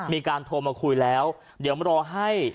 มีการโทรมาคุยแล้วเดี๋ยวมารอให้